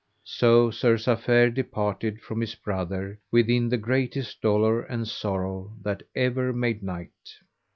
So Sir Safere departed from his brother with the greatest dolour and sorrow that ever made knight.